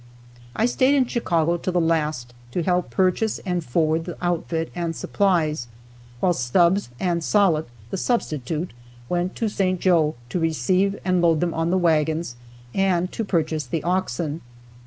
I stayed in Chicago till the last to help purchase and forward the outfit and supplies, while Stubbs and Sollitt (the substitute) went to St. Joe to receive and load them on the wagons and to purchase the oxen.